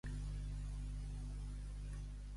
—Ruc! —Somera! —Besa'm el cul, que tinc caguera!